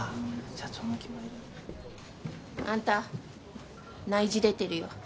社長の肝煎り。あんた内示出てるよ。